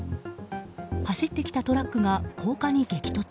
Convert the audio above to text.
走ってきたトラックが高架に激突。